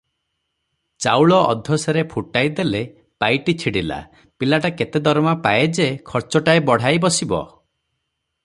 ଚାଉଳ ଅଧସେରେ ଫୁଟାଇ ଦେଲେ ପାଇଟି ଛିଡ଼ିଲା, ପିଲାଟା କେତେ ଦରମା ପାଏ ଯେ ଖର୍ଚ୍ଚଟାଏ ବଢ଼ାଇ ବସିବ?